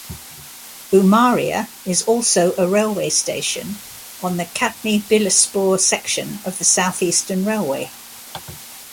Umaria is also a railway station on the Katni-Bilaspur section of the South-Eastern Railway.